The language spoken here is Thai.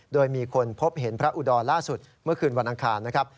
โดยมีคนพบเห็นพระอุดรล่าสุดเมื่อคืนวันอังคารนะครับ